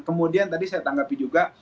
kemudian tadi saya tanggapi juga